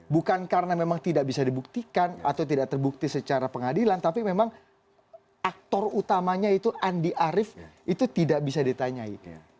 bukan karena memang tidak bisa dibuktikan atau tidak terbukti secara pengadilan tapi memang aktor utamanya itu andi arief itu tidak bisa ditanyai